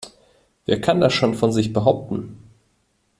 Wer kann das schon von sich behaupten?